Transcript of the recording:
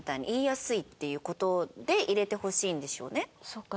そっか。